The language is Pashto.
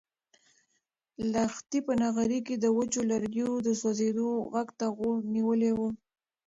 لښتې په نغري کې د وچو لرګیو د سوزېدو غږ ته غوږ نیولی و.